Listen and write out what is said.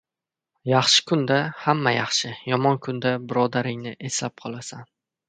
• Yaxshi kunda ― hamma yaxshi, yomon kunda ― birodaringni eslab qolasan.